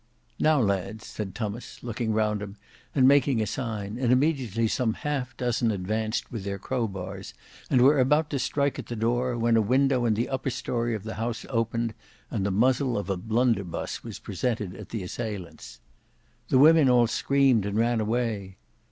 "Now lads," said Tummas looking round him and making a sign, and immediately some half dozen advanced with their crowbars and were about to strike at the door, when a window in the upper story of the house opened and the muzzle of a blunderbuss was presented at the assailants. The women all screamed and ran away.